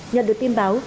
nhận được tin báo